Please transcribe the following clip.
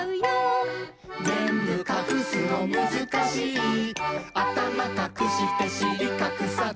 「ぜんぶかくすのむずかしい」「あたまかくしてしりかくさず」